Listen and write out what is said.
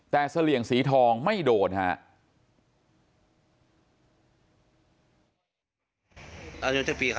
แต่เสลี่ยงสีทองไม่โดนครับ